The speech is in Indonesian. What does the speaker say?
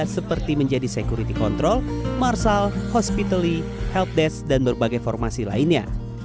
seperti menjadi security control marshal hospitally helpdesk dan berbagai formasi lainnya